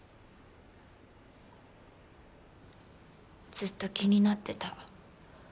ずっと気になってた。